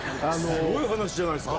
すごい話じゃないですか。